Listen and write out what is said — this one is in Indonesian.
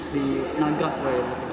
di nagra pak